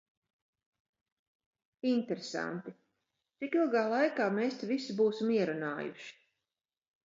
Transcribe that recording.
Interesanti, cik ilgā laikā mēs te visu būsim ierunājuši.